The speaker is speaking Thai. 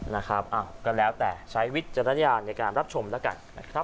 นะครับอ้าวก็แล้วแต่ใช้วิจรรยาณในการรับชมละกัน